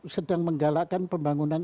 sedang menggalakkan pembangunan